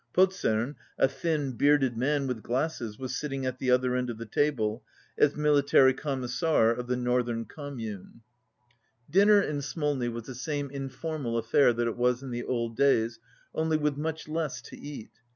Pozern, a thin, bearded man, with glasses, was sitting at the other end of the table, as Military Commissar of the Northern Com nriune. 18 Dinner in Smolni was the same informal affair that it was in the old days, only with much less to eat.